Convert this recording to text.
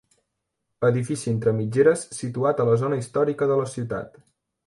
Edifici entre mitgeres situat a la zona històrica de la ciutat.